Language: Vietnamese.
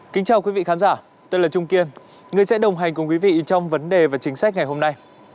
kính chào quý vị khán giả tên là trung kiên người sẽ đồng hành cùng quý vị trong vấn đề và chính sách ngày hôm nay